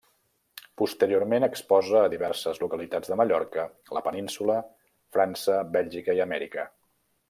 Posteriorment exposa a diverses localitats de Mallorca, la Península, França, Bèlgica i Amèrica.